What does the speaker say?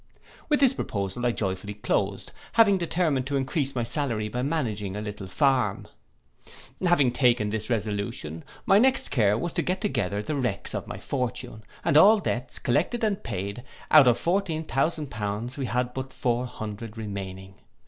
With this proposal I joyfully closed, having determined to encrease my salary by managing a little farm. Having taken this resolution, my next care was to get together the wrecks of my fortune; and all debts collected and paid, out of fourteen thousand pounds we had but four hundred remaining.